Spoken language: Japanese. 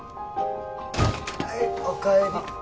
はいお帰り